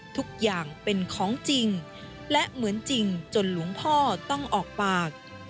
ทุกอย่างเป็นของจริงและเหมือนจริงจนหลวงพ่อต้องออกปาก